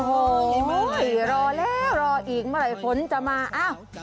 โอ้โหรอแล้วรออีกเมื่อไหร่ฝนจะมาอ้าว